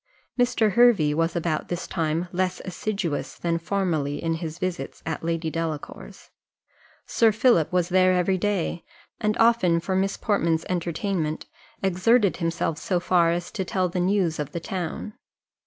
Mr. Hervey was about this time less assiduous than formerly in his visits at Lady Delacour's; Sir Philip was there every day, and often for Miss Portman's entertainment exerted himself so far as to tell the news of the town.